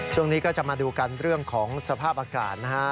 ช่วงนี้ก็จะมาดูกันเรื่องของสภาพอากาศนะฮะ